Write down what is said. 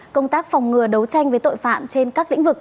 công tác phòng ngừa đấu tranh với tội phạm trên các lĩnh vực